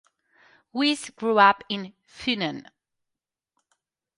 Weiss grew up in Funen.